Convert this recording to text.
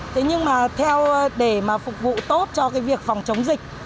thế nhưng mà theo để mà phục vụ tốt cho cái việc phòng chống dịch